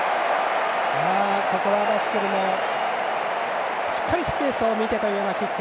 ここはラッセルが、しっかりスペースを見てというキック。